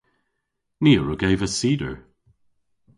Ni a wrug eva cider.